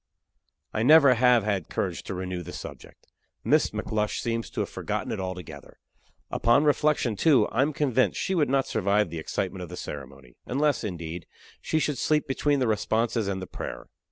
I never have had courage to renew the subject. Miss McLush seems to have forgotten it altogether. Upon reflection, too, I'm convinced she would not survive the excitement of the ceremony unless, indeed, she should sleep between the responses and the prayer.